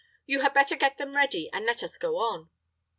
"You had better get them ready, and let us go on."